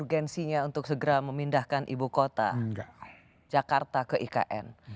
urgensinya untuk segera memindahkan ibu kota jakarta ke ikn